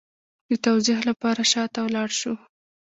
د توضیح لپاره شا ته لاړ شو